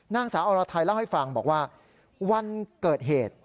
นางสาวอรไทยเล่าให้ฟังบอกว่าวันเกิดเหตุ